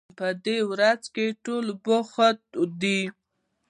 په دې ورځو کې ټول بوخت دي